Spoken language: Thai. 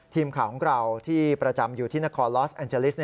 ทีมข่าวของเราที่ประจำอยู่ที่นครลอสแอนเจลิส